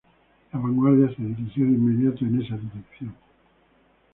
La vanguardia se dirigió de inmediato en esa dirección.